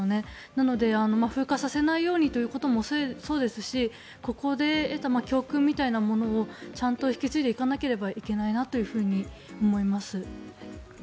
なので、風化させないようにということもそうですしここで得た教訓みたいなものをちゃんと引き継いでいかなければいけないなと思います。